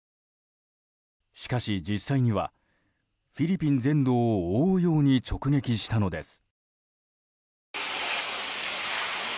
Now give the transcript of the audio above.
しかし、実際にはフィリピン全土を覆うように直撃したのです。